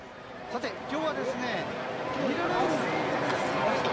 今日はゲリラ雷雨になったところもありました。